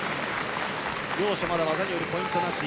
両者、まだ技によるポイントなし。